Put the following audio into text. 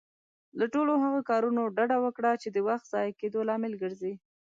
له ټولو هغه کارونه ډډه وکړه، چې د وخت ضايع کيدو لامل ګرځي.